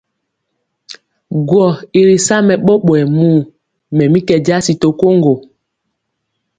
Gwɔ̄ i ri sa mɛ ɓɔɓɔyɛ muu, mɛ mi kɛ jasi to koŋgo.